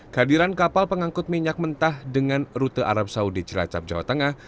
kehadiran kapal pengangkut minyak mentah dengan rute arab saudi jelacap jawa tengah